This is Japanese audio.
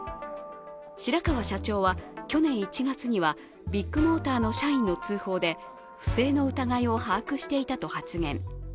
白川社長は去年１月にはビッグモーターの社員の通報で不正の疑いを把握していたと発言。